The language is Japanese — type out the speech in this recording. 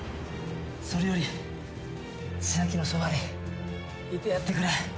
それより千晶のそばにいてやってくれ。